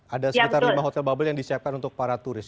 ada sekitar lima hotel bubble yang disiapkan untuk para turis